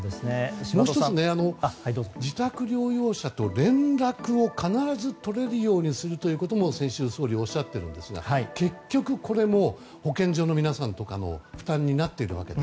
もう１つね自宅療養者と、連絡を必ずとれるようにするということも先週、総理おっしゃっているんですが結局、これも保健所の皆さんとかの負担になっているわけで。